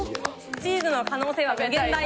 チーズの可能性は無限大。